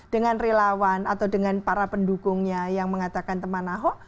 dengan relawan atau dengan para pendukungnya yang mengatakan teman ahok